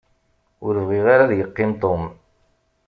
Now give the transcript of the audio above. Ur bɣiɣ ara ad yeqqim Tom.